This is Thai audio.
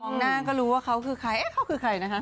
หน้าก็รู้ว่าเขาคือใครเอ๊ะเขาคือใครนะคะ